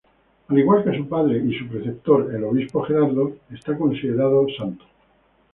Al igual que su padre y su preceptor, el obispo Gerardo, está considerado santo.